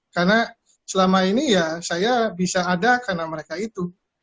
karena selama ini ya saya bisa ada karena mereka itu